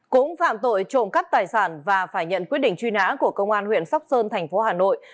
cũng phạm tội trộm cắp tài sản và phải nhận quyết định truy nã của công an huyện sóc sơn thành phố hà nội